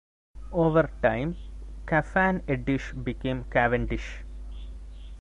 Over time, 'Cafan Eddish' became 'Cavendish'.